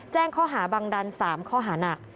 แจ้งข้อหาบังดัน๓ข้อหานัก